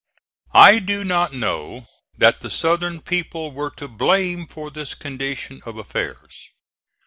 I do not know that the Southern people were to blame for this condition of affairs.